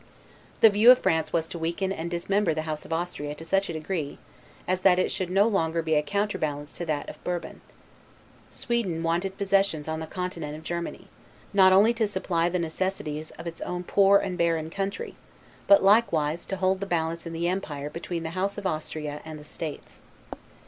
The view of France was to weaken and dismember the House of Austria to such a degree, as that it should no longer be a counterbalance to that of Bourbon. Sweden wanted possessions on the continent of Germany, not only to supply the necessities of its own poor and barren country, but likewise to hold the balance in the empire between the House of Austria and the States.